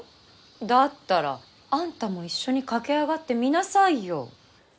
だったらあんたも一緒に駆け上がってみなさいよ。